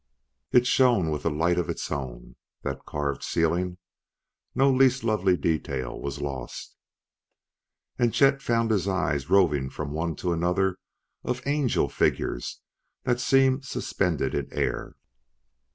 It shone with a light of its own, that carved ceiling; no least lovely detail was lost. And Chet found his eyes roving from one to another of angel figures that seemed suspended in air.